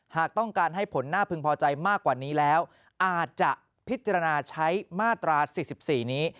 หากต้องการให้ผลน่าพึงพอใจมากกว่านี้แล้วอาจจะพิจารณาใช้มาตรา๔๔นี้